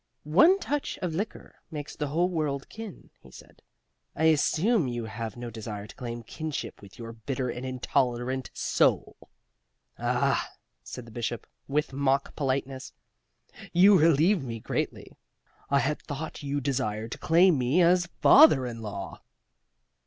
"One touch of liquor makes the whole world kin," he said. "I assure you I have no desire to claim kinship with your bitter and intolerant soul." "Ah?" said the Bishop, with mock politeness. "You relieve me greatly. I had thought you desired to claim me as father in law."